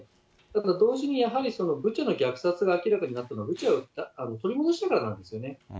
だから同時に、やはりブチャの虐殺が明らかになったのは、ブチャを取り戻してからなんですよね。